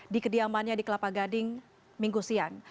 di kediamannya di kelapa gading minggu siang